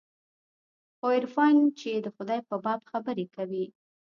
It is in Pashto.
خو عرفان چې د خداى په باب خبرې کوي.